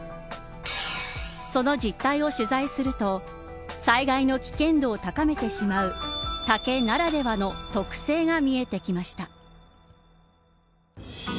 その実態を取材すると災害の危険度を高めてしまう竹ならではの特性が見えてきました。